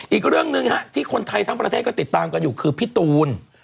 อีกเรื่องหนึ่งที่คนไทยทั้งประเทศก็ติดตามกันอยู่คือพี่ตูน